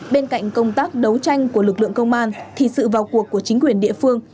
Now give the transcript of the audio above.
bên cạnh công tác đấu tranh của lực lượng công an thì sự vào cuộc của chính quyền địa phương